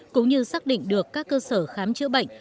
cũng như xác định được các cơ sở khám chữa bệnh